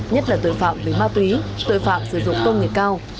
nhất là tội phạm về ma túy tội phạm sử dụng công nghệ cao